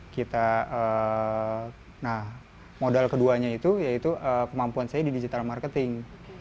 kita nah modal keduanya itu yaitu kemampuan saya di digital marketing